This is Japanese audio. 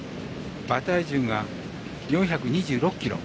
馬体重が４２６ｋｇ。